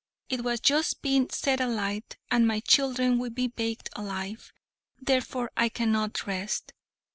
It has just been set alight, and my children will be baked alive; therefore I cannot rest!"